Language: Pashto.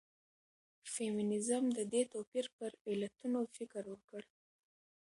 فيمنيزم د دې توپير پر علتونو فکر وکړ.